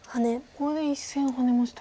ここで１線ハネました。